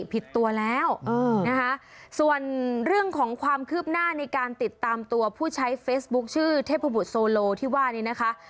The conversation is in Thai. ผิดตัวแล้วนะคะส่วนเรื่องของความคืบหน้าในการติดตามตัวผู้ใช้เฟซบุ๊คชื่อเทพบุตรโซโลที่ว่านี้นะคะ